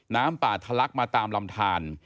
น้ำป่าทะลักมาตามลำทาน